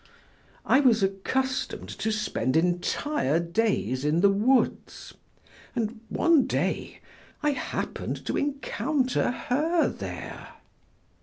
I was accustomed to spend entire days in the woods, and one day I happened to encounter her there.